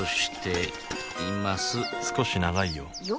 少し長いよよ？